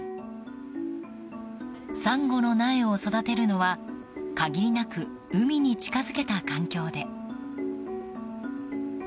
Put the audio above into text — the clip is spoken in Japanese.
サンゴの苗を育てるのは限りなく海に近づけた環境で。